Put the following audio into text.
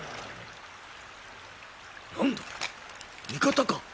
何だ味方か。